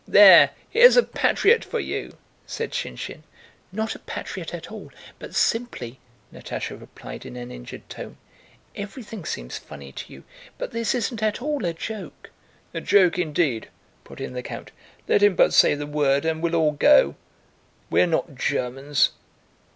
"There! Here's a patriot for you!" said Shinshín. "Not a patriot at all, but simply..." Natásha replied in an injured tone. "Everything seems funny to you, but this isn't at all a joke...." "A joke indeed!" put in the count. "Let him but say the word and we'll all go.... We're not Germans!"